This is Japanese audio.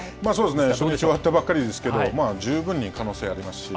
初日終わったばかりですが、十分に可能性はありますし。